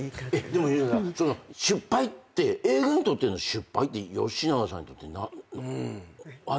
でも吉永さんその失敗って映画にとっての失敗って吉永さんにとってあります？